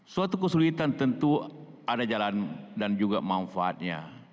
suatu kesulitan tentu ada jalan dan juga manfaatnya